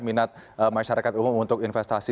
minat masyarakat umum untuk investasi